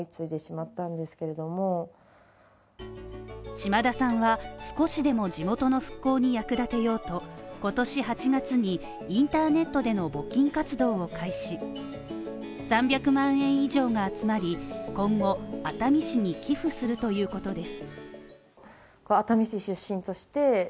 島田さんは少しでも地元の復興に役立てようと、今年８月にインターネットでの募金活動を開始３００万円以上が集まり、今後熱海市に寄付するということです。